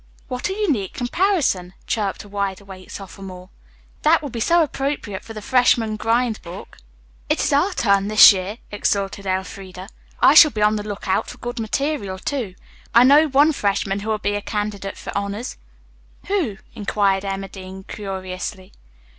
'" "What a unique comparison," chirped a wide awake sophomore. "That will be so appropriate for the freshman grind book." "It is our turn this year," exulted Elfreda. "I shall be on the lookout for good material, too. I know one freshman who will be a candidate for honors." "Who?" inquired Emma Dean curiously.